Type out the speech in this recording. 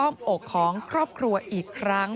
อ้อมอกของครอบครัวอีกครั้ง